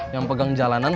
yang pegang jalanan